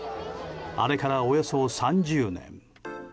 あれから、およそ３０年。